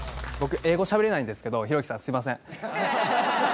僕英語しゃべれないんですけどひろゆきさんすみません。